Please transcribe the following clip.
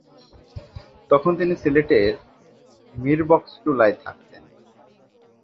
তখন তিনি সিলেটের মিরবক্সটুলায় থাকতেন।